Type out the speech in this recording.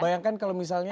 bayangkan kalau misalnya